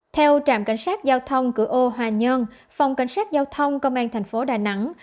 theo trạm cảnh sát giao thông cửu âu hòa nhân phòng cảnh sát giao thông công an thành phố đà nẵng